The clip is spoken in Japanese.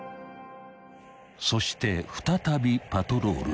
［そして再びパトロールへ］